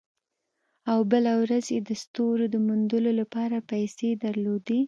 او بله ورځ یې د ستورو د موندلو لپاره پیسې درلودې